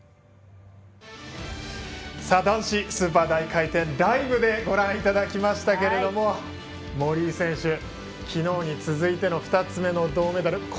男子スーパー大回転ライブでご覧いただきましたけれども森井選手、昨日に続いての２つ目の銅メダル。